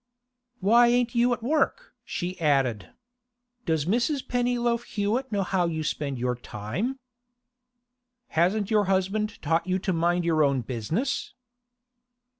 'Why ain't you at work?' she added. 'Does Mrs. Pennyloaf Hewett know how you spend your time?' 'Hasn't your husband taught you to mind your own business?